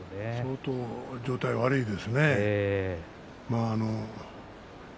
相当状態が悪いですね。